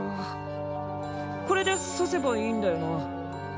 これでさせばいいんだよな？